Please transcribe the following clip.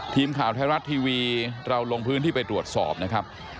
ทีมข่าวไทยรัฐทีวีเราลงพื้นที่ไปตรวจสอบนะครับ